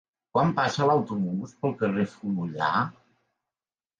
Quan passa l'autobús pel carrer Fonollar?